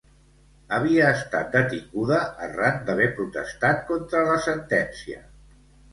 Havia estat detinguda arran d'haver protestat contra la sentència.